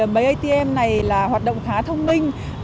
máy atm này là hoạt động khá thông minh